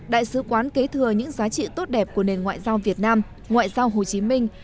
đại sứ quán kế thừa những giá trị tốt đẹp của nền ngoại giao việt nam ngoại giao hồ chí minh